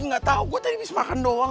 gak tau gue tadi bisa makan doang